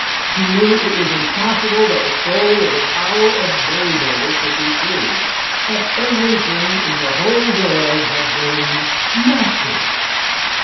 He knew it was impossible that the story of the Tower of Babel should be true. That everything in the whole world had been natural.